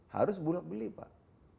harus bulog beli pak